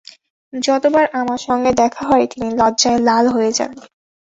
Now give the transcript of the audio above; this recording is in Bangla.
যতবার আমার সঙ্গে দেখা হয় তিনি লজ্জায় লাল হয়ে যান।